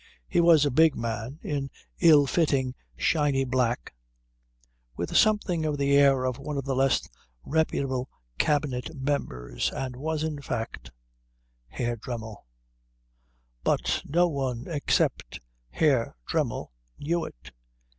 He was a big man in ill fitting shiny black with something of the air of one of the less reputable Cabinet Ministers and was, in fact, Herr Dremmel; but no one except Herr Dremmel knew it.